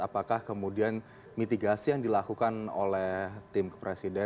apakah kemudian mitigasi yang dilakukan oleh tim presiden